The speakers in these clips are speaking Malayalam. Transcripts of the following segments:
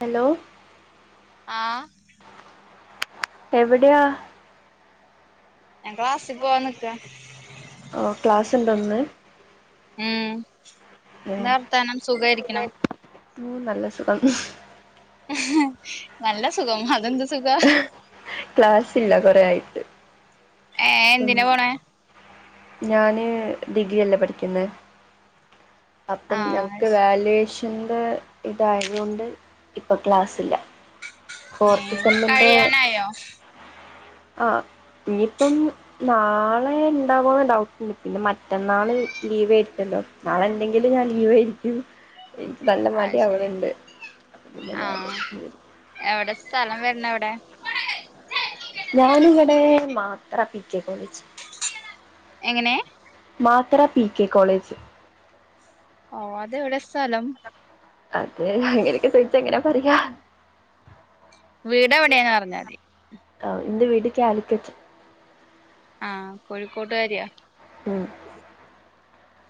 ഹലോ. ആഹ് എവിടെയാ ഞാൻ ക്ലാസ്സിൽ പോവാൻ നിക്ക ഓ ക്ലാസ് ഇണ്ടോ ന്ന്? ഏഹ് ഉം [unintelligible] ഉം നല്ല സുഖം. നല്ല സുഖം അതെന്ത് സുഖാ? ക്ലാസില്ല കൊറെ ആയി ഏഹ് എന്തിനാ പോണെ? ഞാന് ഡിഗ്രി അല്ലേ പഠിക്കുന്നെ അപ്പം ആഹ് ഞങ്ങക്ക് വാലുവേഷ ൻ ന്റെ ഇതായതുകൊണ്ട് ഇപ്പ ക്ലാസ്സില്ല. ഫോർത്ത് സെമ്മിന്റെ കഴിയാനായോ ആഹ് ഇനിയിപ്പം. നാളെ ഇണ്ടാവോന്ന് ഡൗട്ടിണ്ട് പിന്നെ മറ്റന്നാള് ലീവ് ഏട് തെല്ലോ? നാളെ ഇണ്ടെങ്കിലും ഞാൻ ലീവേരിക്കും. എനിക്ക് അത് നല്ലമടി ശരി ആവണ്ണ്ട് പിന്നെ ഞാന് ആഹ് എവിടെ സ്ഥലം വരണെ എവിടെ? ഞാനിവിടെ മാത്ര പി കെ കോളേജ്. എങ്ങനെ? മാത്ര പി കെ കോളേജ്. ഓഹ് അതെവിടെ സ്ഥലം? അത് അങ്ങനെഓക്കെ ചോയിച്ച എങ്ങന പറയാ.? വീട് എവിടെയാന്ന് പറഞ്ഞാ മതി. ആഹ് ഇന്റെ വീട് കാലിക്കറ്റ്. ആഹ് കോഴിക്കോട്ടുകാരിയാ. ഉം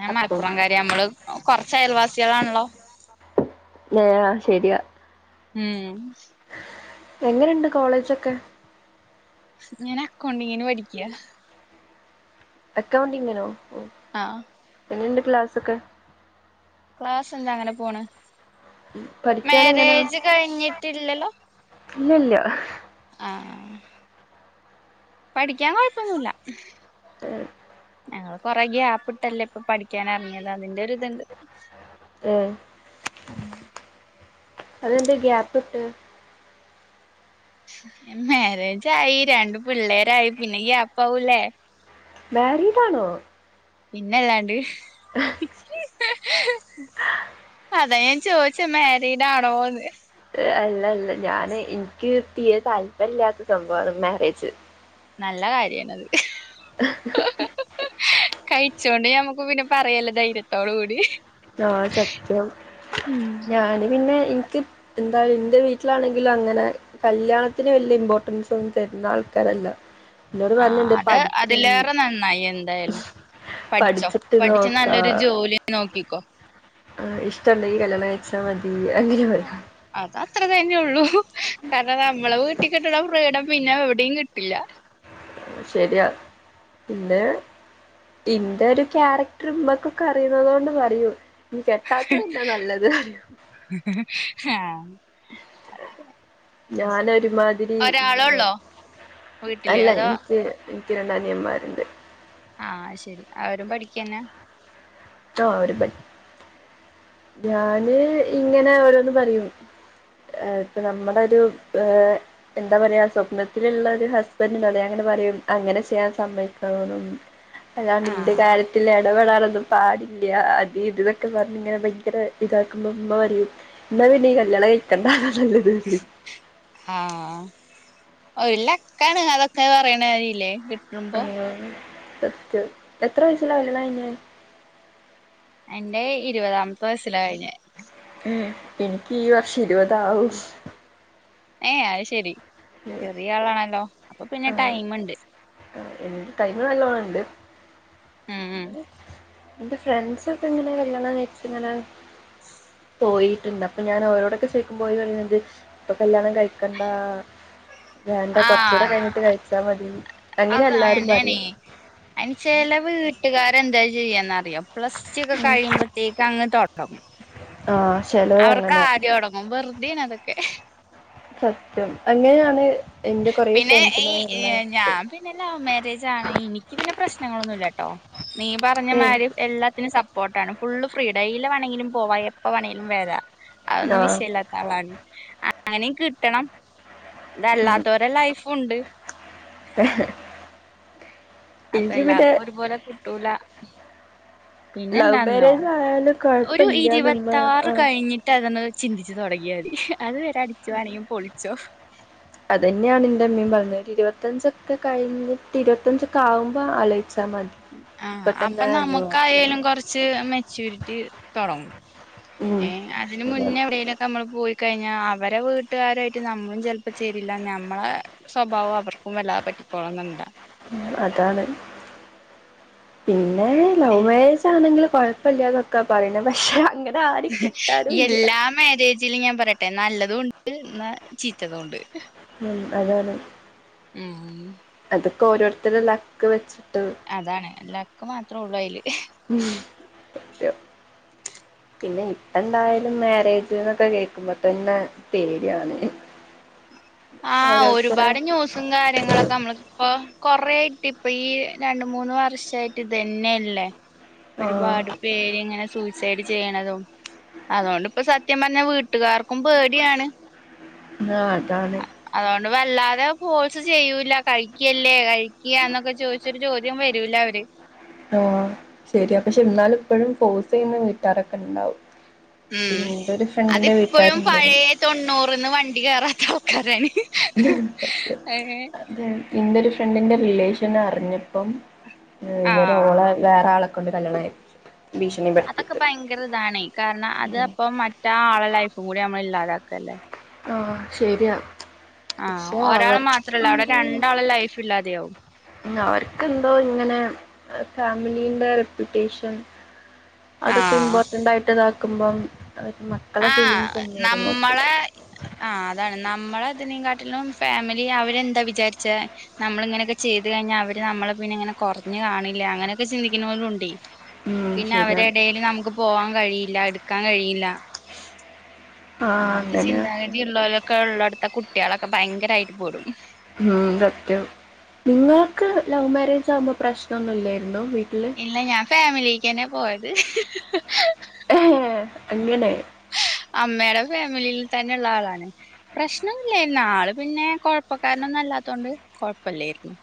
ഞൻ അപ്പം മലപ്പുറം കാര്യ നമ്മള് കൊറചയൽവാസിളാണല്ലോ? നേര ശരിയാ. ഉം എങ്ങനുണ്ട് കോളേജൊക്കെ? ഞാൻ അക്കൗണ്ടിങ്ങിന് പഠിക്ക. അക്കൗണ്ടിംങ്ങിനോ? ആഹ് എങ്ങനെയുണ്ട് ക്ലാസ്സൊക്കെ? ക്ലാസ് എന്താ അങ്ങനെ പോണ് പഠിക്കാൻ മാരേജ് കഴിഞ്ഞിട്ടില്ലല്ലോ? ഇലില്ല. ആഹ് പഠിക്കാൻ കൊഴപ്പൊന്നുല്ല. ഏഹ് ഞങ്ങള് കൊറെ ഗ്യാപ്പ് ഇട്ടല്ലേ ഇപ്പൊ പഠിക്കാനെറങ്ങിയത് അതിന്റെ ഒരു ഇതണ്ട്. ഏഹ് അതെന്ത ഗ്യാപ്പ് ഇട്ട്? മാരേജായി രണ്ട് പിള്ളേരായി പിന്നെ ഗ്യാപ്പാവുലെ? മാരിഡാണോ? പിന്നല്ലാണ്ട്. അതാ ഞാൻ ചോയിച്ചെ മാരീഡാണോന്ന്? അല്ല അല്ല ഞാന് എനിക്ക് തീരെ താല്പര്യല്ലാത്ത സംഭാണ് മാരേജ്. നല്ല കാര്യണത്. ഹ ഹ കഴിച്ചൊണ്ട് ഞമക്ക് പിന്നെ പറയാലോ ധൈര്യത്തോട് കൂടി. ആഹ് സത്യം ഉം ഞാന് പിന്നെ എനിക്ക് എന്താ ഇന്റെ വീട്ടിലാണെങ്കിലും അങ്ങനെ. കല്യാണത്തിന് വല്യ ഇമ്പോർട്ടൻസ് ഒന്നും തെരുന്നാൾക്കാരല്ല ആഹ് അത് അതിലേറെ നന്നായി എന്തായാലും പഠിച്ചോ പഠിച്ചിട്ട് പഠിച്ചു നോക്കാ നല്ലൊരു ജോലി നോക്കിക്കോ ആഹ് ഇഷ്ടണ്ടങ്കി കല്യാണം കഴിചാ മതി അങ്ങനെയെ പറ അത അത്ര തന്നെയുള്ളൂ കാരണം നമ്മളെ വീട് ട്ടിക്കെട്ടിണ ഫ്രീഡം പിന്നെ എവിടെയും കിട്ടില്ല ശരിയാ പിന്നെ ഇന്റെ ഒരു ക്യാരക്ടർ ഉമ്മക്കൊക്കെ അറിയുന്നത കൊണ്ട് പറയും [unintelligible] താത്ത പിന്നെ നല്ലത് പറയും ആഹ് അത് ശരി ഞാനൊരു മാതിരി ഒരാളെ ഇങ്ങനെ ഉള്ളോ വീട്ടില് അല്ല അതോ ഇൻക്ക് ഇൻക്ക് രണ്ടനിയൻമാരുണ്ട് ആഹ് അഹ്ശെരി അവരും പഠിക്കന്നെ തോ അവര് [unintelligible] ഞാന് ഇങ്ങനെ ഓരോന്ന് പറയും ഏഹ് ഇപ്പം നമ്മടൊരു ഏഹ് എന്താ പറയാ സ്വപ്നത്തിലുള്ള ഒരു ഹസ്ബൻ്റ് ഉഉണ്ടാവൂലെ അങ്ങനെ പറയും അങ്ങനെ ചെയ്യാൻ സമ്മയിക്കൂലാന്ന് അതാണിന്റെ ആഹ് കാര്യത്തിൽ ഇടപെടാറൊന്നും പാടില്ല അത് ഇതതൊക്കെ പറഞ്ഞ ഇങ്ങനെ [unintelligible] ഇതാക്കുമ്പോ ഉമ്മ പറയും എന്നാ നീ കല്യാണം കഴിക്കണ്ട ആഹ് ഒരു ലക്കാണ് അതൊക്കെ പറയ്ണേല്ലേ ആഹ് സത്യം എത്ര വയസിലാ കല്യാണം കഴിഞ്ഞെ എന്റെ ഇരുപതാമത്തെ വയസ്സിലാ കഴിഞ്ഞേ ഉം എനിക്ക് ഈ വർഷം ഇരുപതാവൂ ഏഹ് അഹ്ശെരി ചെറിയ ആളാണല്ലോ അപ്പൊ പിന്നെ ആഹ് ടൈമ്ണ്ട് ടൈമ് നല്ലോണണ്ട് ഉം ഉം ഇൻ്റെ ഫ്രണ്ട്സൊക്കെ ഇങ്ങനെ കല്യാണം കഴിച്ചിങ്ങനെ [inaudible] പോയിട്ടുണ്ട് അപ്പൊ ഞാൻ ഓരോടൊക്കെ ചോദിക്കുമ്പ ഓര് പറയുന്നത് ഇപ്പൊ കല്യാണം കഴിക്കണ്ടാ വേണ്ട കൊർച്ചൂടെ കഴിഞ്ഞിട്ട് കഴിച്ചാ മതീന്ന് അതാ അയന്നേനീ അയിന് ചെലേ വീട്ടുകാരെന്താ ചെയ്യാന്നറിയ്യോ പ്ലസ്സ്റ്റു ഒക്കെ കഴിയുമ്പോ തീക്ക് അങ്ങ് തൊടങ്ങും ആഹ് ചെലോ അവർക്ക് ആതി തൊടങ്ങും വെറുതേനതൊക്കെ സത്യം അങ്ങനെയാണ് എൻ്റെ കൊറെ പിന്നെ ഫ്രണ്ട്സിന ഈ [unintelligible] ച്ച ഞാൻ പിന്നെ ലവ് മാരേജാണ് എനിക്ക് പിന്നെ പ്രശ്നങ്ങളൊന്നുല്ലട്ടോ നീ പറഞ്ഞമാരി എല്ലാത്തിനും സപ്പോർട്ടാണ് ഫുള്ള് ഫ്രീഡാ എയിലെ വേണമെങ്കിലും പോവാ എപ്പ വേണെങ്കിലും വരാ അതൊന്നും ആഹ് വിഷയല്ലാത്ത ആളാണ് അങ്ങനിം കിട്ടണം ഉം. ഇതല്ലാത്ത ഒരേ ലൈഫുണ്ട് [inaudible] അപ്പൊ എനിക്ക് പിന്നെ എല്ലാർക്കും ഒരുപോലെ കിട്ടൂല പിന്നെ ലവ് എന്താന്നോ മാരേജായാലും കൊഴ്പ്പ ഒരു ഇരുപത്താറ് കഴി കഴിഞ്ഞിട്ട് അതൊന്ന് ചിന്തിച്ചു തുടങ്ങിയാ മതി അത് വരെ അടിച്ച് വേണൊങ്കി പൊളിച്ചോ അതന്നെയാണ് ന്റെ മ്മീം പറഞ്ഞത് ഇരുപത്തഞ്ചൊക്കെ കഴിഞ്ഞിട്ട് ഇരുപത്തഞ്ചൊക്കെ ആവുമ്പോ ആലോയിച്ചാമതി ആഹ് അപ്പൊ നമുക്കായാലും കൊറച്ച് മെച്ചൂരിറ്റി തൊടങ്ങും ഉം ഏഹ് അതിന് ശരിയാണ്. മുന്നേ എവിടേലൊക്കെ നമ്മള് പോയി കഴിഞ്ഞ അവരെ വീട്ടുകാരായിട്ട് നമ്മളും ചെൽപ്പോ ചേരില്ല നമ്മളെ സ്വഭാവം അവർക്കും വല്ലാതെ പറ്റിക്കോള്ളന്ന്ണ്ടാ അതാണ് പിന്നെ ലവ് മാരേജ് ആണെങ്കിലും കൊഴപ്പല്ലാന്നൊക്കെ പറയണ് പക്ഷെ അങ്ങനെ ആരിം കിട്ടാനും ഇല്ല എല്ലാ മാരേജിലും ഞാൻ പറയട്ടെ നല്ലതുണ്ട് ഇന്നാ ചീത്തതുണ്ട് ഉം അതാണ് ഉം അതൊക്കെ ഓരോരുത്തരെ ലക്ക് വെച്ചിട്ട് അതാണ് ലക്ക് മാത്രേ ഉള്ളൂ അയില് ഉം സത്യം പിന്നെ ഇപ്പ എന്തായാലും മാരേജ്ന്നൊക്കെ കേക്കുമ്പോത്തന്നെ പേടിയാണ് ആഹ് ഓരോരുത്തരെ ഒരുപാട് ന്യൂസും കാര്യങ്ങളൊക്കെ അമ്മള് പ്പൊ കൊറേ ആയിട്ട് ഇപ്പ ഈ രണ്ട് മൂന്ന് വർഷായിട്ട് ഇത് തന്നെയല്ലേ ആഹ് ഒരുപാട് പേര്ങ്ങനെ സൂയ്സൈഡ് ചെയ്യണതും അതുകൊണ്ടിപ്പ സത്യം പറഞ്ഞാ വീട്ടുകാർക് ക്കും പേടിയാണ് ആഹ് അതാണ് അതുകൊണ്ട് വല്ലാതെ ഫോഴ്സ് ചെയ്യൂലാ കഴിക്കല്ലേ കഴിക്ക്യാന്നൊക്കെ ചോദിച്ച് ഒര് ചോദ്യം വെരൂലാ അവര് ആഹ് ശരിയാ പക്ഷെ ഇന്നാലും ഇപ്പഴും ഫോഴ്സ് ചെയ്യുന്ന വീട്ടാരൊക്കെ ഇണ്ടാവും ഉം അതിപ്പഴും വീട്ടാരുണ്ടായിരുന്നു പഴയ തൊണ്ണൂറിന്ന് വണ്ടി കേറാത്ത ആൾക്കാരാണ് അതാണ് സത്യം ഏ അത് ഇന്റെ ഒരു ഫ്രണ്ടിന്റെ റിലേഷൻ അറിഞ്ഞപ്പം ഉം ഇവര് ആഹ് ഓളെ വേറെ ആളെ കൊണ്ട് കല്യാണം കഴിപ്പിച്ച് അതൊക്കെ ഭയങ്കര ഇതാണേ കാരണം അത് അപ്പ മറ്റേ ആളെ ലൈഫും കൂടി നമ്മള് ഇല്ലാതാക്കല്ലേ ആഹ് ശരിയാ ആഹ് പക്ഷെ ഒരാളെ മാത്രല്ല അവിടെ അവർക്കെന്തോ രണ്ടാളെ ലൈഫും ഇല്ലാതെ ആവും ഉം അവര്ക്കെന്തോ ഇങ്ങനെ ഫാമിലീന്റെ റെപ്യൂട്ടേഷൻ അതൊക്കെ ആഹ് ഇമ്പോർട്ടന്റായിട്ട് ഇതാക്കുമ്പം അവര് മക്കളെ ആഹ് ഫീലിംഗ്സ് ഒന്നും അവര് നമ്മളെ നോക്കൂലല്ലോ ആഹ് അതാണ് നമ്മളെ ഇതിനെക്കാട്ടിലും ഫാമിലി അവരെന്താ വിചാരിച്ചെ നമ്മള് ഇങ്ങനെയൊക്കെ ചെയ്തു കഴിഞ്ഞാ അവര് നമ്മളെ പിന്നെ ഇങ്ങനെ കൊറഞ്ഞു കാണില്ലേ അങ്ങനെയൊക്കെ ചിന്തിക്കുന്നോലും ഇണ്ടേ ഉം പിന്നെ അവരെ ശരിയാണ് എടേല് നമ്മക്ക് പോകാൻ കഴിയില്ലാ എടുക്കാൻ കഴിയില്ലാ ആഹ് അങ്ങൻത്തെ അങ്ങനെയൊക്കെ ചിന്താഗതി ഉള്ളോലൊക്കെ ഇള്ളെടുത്തെ കുട്ട്യാളൊക്കെ ഭയങ്കരായിട്ട് പെടും ഉം സത്യം ഇങ്ങൾക്ക് ലവ് മാരേജ് ആവുമ്പോ പ്രശ്നൊന്നുല്ലായിരുന്നു വീട്ടില് ഇല്ല ഞാൻ ഫാമിലിക്കെന്നെയാ പോയത് ഏഹ് അങ്ങനെ അമ്മേടെ ഫാമിലിയിൽ തന്നെ ഇള്ള ആളാണ് പ്രശ്നൊന്നും ഇല്ലായിരുന്നു ആള് പിന്നെ കൊഴപ്പക്കാരനൊന്നും അല്ലാത്തോണ്ട് കൊഴപ്പല്ല്യാര്ന്നു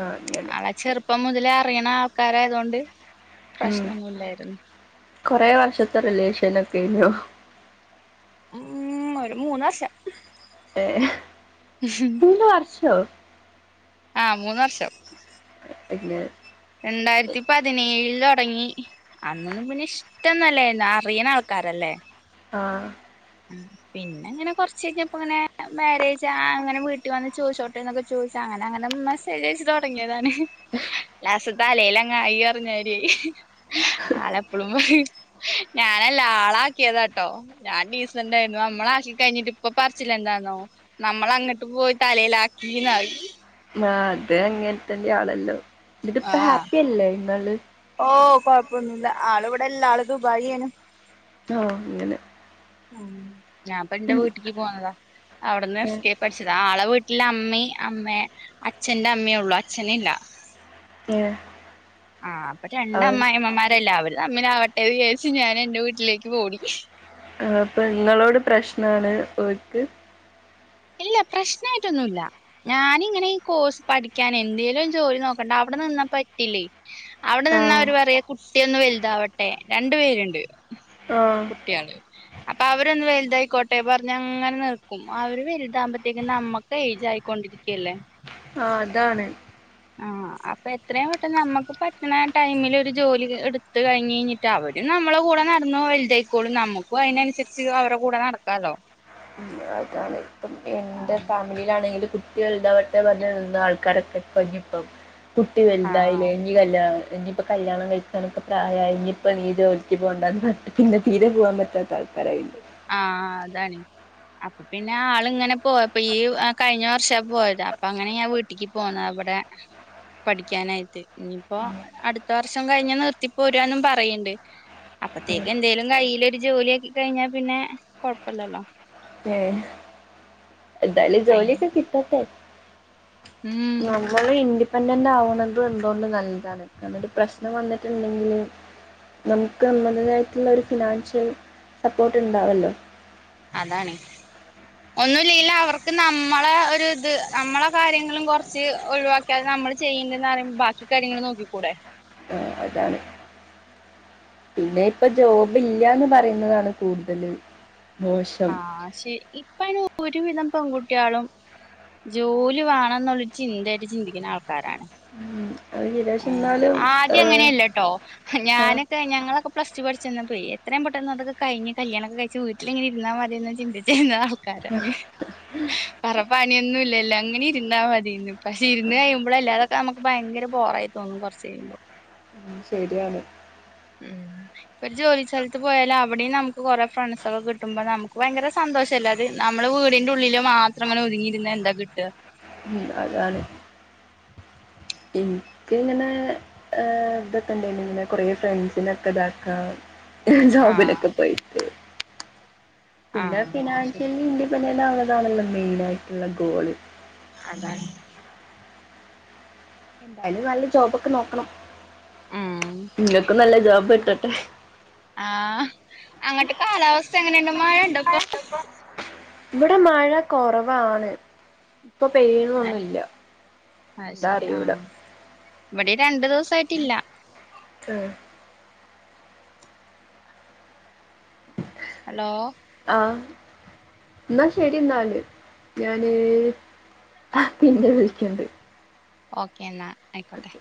ആഹ് അങ്ങനെ ചെറുപ്പം മുതലേ അറിയണ ആൾക്കാരായതോണ്ട് ഉം പ്രശ്നം ഒന്നുല്ലായിരുന്നു കൊറേ വർഷത്തെ റിലേഷൻ ഒക്കെയിനിയോ? ഉം ഒര് മൂന്ന് വർഷം ഏഹ് മൂന്ന് വർഷോ? ആഹ് മൂന്ന് വർഷം പിന്നെ രണ്ടായിരത്തി പതിനേഴില് തൊടങ്ങി അന്നൊന്നും പിന്നെ ഇഷ്ട്ടൊന്നും അല്ലായിരുന്നു അറിയണ ആൾക്കാരല്ലേ ആഹ്. പിന്നെ ങ്ങനെ കൊർച്ച് കഴിഞ്ഞപ്പ ങ്ങനെ മാരേജാ അങ്ങനെ വീട്ടി വന്ന് ചോയ്ച്ചോട്ടെന്നൊക്കെ ചോയ്ച്ചങ്ങനെ അങ്ങനെ മെസേജയച്ച് തൊ ടങ്ങിയതാണ് ലാസ്റ്റ് തലേലങ്ങായി അർഞ്ഞാതിരി ആളെപ്പളും പറയും ഞാനല്ല ആളാക്കിയതാ ട്ടോ ഞാൻ ഡീസ് സണ്ടായിരുന്നു. നമ്മളാഷി കഴിഞ്ഞിട്ട് ഇപ്പൊ പറച്ചിലെ ന്താന്നോ നമ്മളങ്ങട്ട് പോയി തലേലാക്കീന്നായി. ആഹ് അത് അങ്ങൻത്തന്നെ ആണല്ലോ. ന്ന്ട്ട് പ്പ ഹാപ്പി അല്ലേ ഇങ്ങള്? ഓഹ് കൊഴപ്പൊന്നുല്ല ആള് വിടെല്ല ആള് ദുബായാണ്. ആഹ് അങ്ങനെ. ഉം ഞാൻപ്പ ന്റെ വീട്ട്ക്ക് പോന്നതാ. അവിട്ന്ന് ഏഹ് എസ്കേ പഠിച്ചതാ. ആളെ വീട്ടില് അമ്മി അമ്മേ അച്ഛന്റെ അമ്മേ ഉള്ളു അച്ഛനില്ല. ഏഹ് ആഹ് അപ്പ രണ്ട അവൻ അമ്മായിമ്മമാരല്ലേ അവര് തമ്മിലാവ ട്ടെ വിയേച്ച് ഞാനെന്റെ വീട്ടിലേക്കു വോടി. ആഹ് അപ്പ ഇങ്ങളോട് പ്രശ്നാണ് ഓൽക്ക്? ഇല്ല പ്രശ്നായിട്ടൊന്നുല്ല. ഞാനിങ്ങനെ ഈ കോഴ്സ് പഠിക്കാന് എന്തേലും ജോലി നോക്കണ്ടെ അവിടെ നിന്നാ പറ്റില്ലെ. അവിടെ ആ നിന്നാ അവര് പറയാ കുട്ടിയൊന്ന് വൽതാവട്ടെ രണ്ടു പേരുണ്ട്. ആ കുട്ട്യാള് അപ്പവരൊന്ന് വലുതായിക്കോട്ടെ പറഞ്ഞ ങ്ങനെ നിർക്കും അവര് വൽ താവുമ്പത്തേക്ക് നമ്മക്ക് എയ്ജായിക്കൊണ്ടിരിക്കല്ലേ. ആഹ് അതാണ് ആഹ് അപ്പൊ എത്രേം പെട്ടെന്ന് നമ്മക്ക് പറ്റ്ണ ടൈമിലൊരു ജോലി എട്ത്ത് കഴിഞ്ഞയഞ്ഞ് റ്റവര് നമ്മളെ കൂടെ നടന്ന് വലുതായിക്കോളും നമുക്കും അയ്നൻസരിച്ച് അവരെ കൂടെ നടക്കാലോ. ഉം അതാണ് ഇപ്പം എന്റെ ആഹ് ഫാമിലിയിലാണെങ്കില് കു ട്ട്യൾ ണ്ടാവട്ടെ പറഞ്ഞ് നിന്ന ആൾക്കാരൊക്കെ പ്പഞ്ഞിപ്പം കുട്ടി ആഹ് വൽതായിലെ ഞ്ഞി കല്ല്യാണം എഞ്ഞി ഇപ്പൊ കല്യാണം കഴിക്കാനൊക്കെ പ്രായായി ഇഞ്ഞ്പ്പം നീ ജോലിക്ക് പോകണ്ടാന്ന് [unintelligible] പിന്നെ തീരെ പോകാൻ പറ്റാത്ത ആൾക്കാരായില്ലേ ആഹ് അതാണ് അപ്പൊ പിന്നെ ആള് ങ്ങനെ പോയപ്പൊ ഈ കഴിഞ്ഞ വർഷാ പോയത് അപ്പ ങ്ങനെ ഞാൻ വീ ട്ടിക്ക് പോന്നാ വിടെ പഠിക്കാനായിട്ട് ഇഞ്ഞ്പ്പോ അടുത്ത വർഷം കഴിഞ്ഞാ നിർത്തി പോരാന്നും പറയ്ണ്ട്. അപ്പത്തേക്കെന്തേലും കയ്യിലൊരു ജോലി ആക്കി കഴിഞ്ഞാ പിന്നെ കൊഴപ്പല്ലല്ലോ ഏഹ് എന്തായാലും ജോലി അയിന് ഒക്കെ കിട്ടട്ടെ. ഉം മ്മള് ഇൻഡിപെൻഡന്റ് ആവുന്നത് എന്തുകൊണ്ടും നല്ലതാണ് കാരണം ഒരു പ്രശ്നം വന്നിട്ടുണ്ടെങ്കില് നമുക്ക് നമ്മടേതായിട്ടുള്ള ഒരു ഫിനാൻഷ്യൽ സപ്പോർട്ട് ണ്ടാവല്ലോ അതാണ് ഒന്നും ഇല്ലേലു അവർക്ക് നമ്മളെ ഒരു ത് നമ്മളെ കാര്യങ്ങളും കൊർച്ച് ഒഴിവാ ക്കിയാൽ നമ്മള് ചെയ്യ്ണ്ട് ന്നറി ബാക്കി കാര്യങ്ങള് നോക്കിക്കൂടെ ആഹ് അതാണ് പിന്നെ ഇപ്പൊ ജോബ് ഇല്ലാന്ന് പറയുന്നതാണ് കൂടുതല് മോശം. ആഹ് ക്ഷേ ഇപ്പ അയിന് ഒരുവിധം പെൺകുട്ട്യാളും ജോലി വാണം ന്നുള്ള ചിന്തയായിട്ട് ചിന്തിക്കുന്ന ആൾക്കാരാണ് ഉം. അത് ശരിയാ. പക്ഷെ ഏഹ് എന്നാലും ഏഹ് ആദ്യങ്ങനെയല്ലട്ടോ ആഹ് ഞാനൊക്കെ ഞങ്ങളൊക്കെ പ്ലസ് ടു പഠിച്ച്ന്ന പ്പയേ എത്രേം പെട്ടെന്ന് അതൊക്ക കഴിഞ്ഞ് കല്യാണൊക്കെ കഴിച്ച് വീട്ടിലിങ്ങനെ ഇരുന്നാ മതിയെന്ന് ചിന്തിച്ചിരുന്നതാ. കരഞ്ഞ് വേറെ പണിയൊന്നും ഇല്ലല്ലോ അങ്ങനെ ഇര്ന്നാ മതീന്ന്. പക്ഷേ ഇര്ന്ന് കഴിയുമ്പളല്ലേ അതൊക്കെ അമ്മക്ക് ഭയങ്കര പോറായി തോന്നും കൊർച്ച് കഴിയുമ്പോ ഉം, ശെരിയാണ്. ഉം പ്പൊരു ജോലി സ്ഥലത്ത് പോയാല് അവിടിം നമുക്ക് കൊറേ ഫ്രണ്ട്സൊക്കെ കിട്ടുമ്പോ നമുക്ക് ഭയങ്കര സന്തോഷല്ലേ അ ത് നമ്മള് വീടിന്റെ ഉള്ളില് മാത്രം ങ്ങനെ ഒതുങ്ങിയിരുന്നാ എന്താ കിട്ടാ ഉം, അതാണ് ഇൻക്ക് ങ്ങനെ ഏഹ്, തൊക്കെണ്ടെയ്നി ഇങ്ങനെ കൊറേ ഫ്രണ്ട്സിനൊക്കെ ഇതാക്കാം ആഹ് ജോബിനൊക്കെ പോയി പിന്നെ ആഹ് അത് ശരി ഫിനാൻഷ്യലി ഇൻഡിപെൻഡന്റാവ്ണതാണല്ലോ മെയിനായിട്ട്ള്ള ഗോള്. അതാണ്. എന്തായാലും നല്ല ജോബൊക്കെ നോക്കണം. ഉം ങ്ങക്കും നല്ല ജോബ് ട്ടട്ടെ. ആഹ്, അങ്ങട്ട് കാലാവസ്ഥ എങ്ങനെണ്ട് മഴണ്ടപ്പൊ? ഇവട മഴ കൊറവാണ്. ഇപ്പൊ പെയ്യിണോന്നുല്ല്യ. അത് എന്താ ശരി അറിയൂല. ആഹ് ഇവിടെ രണ്ടു ദുവസായിട്ടില്ല. ആഹ്. ഹലോ? ആഹ്. ന്നാ ശരി ന്നാല്. ഞാന് പിന്നെ വിളിയ്ക്കണ്ട്. ഓക്കെ ന്നാ അയ്ക്കോട്ടെ.